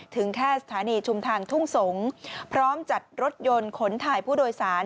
ถึงแค่สถานีชุมทางทุ่งสงศ์พร้อมจัดรถยนต์ขนถ่ายผู้โดยสาร